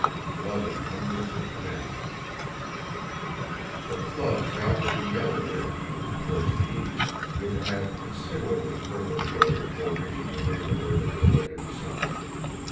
Flooding Hundreds of Canals. The flood travelling in the other direction, towards the east, would have considerably further to go before reaching the neighborhood of the Lake of the Sun.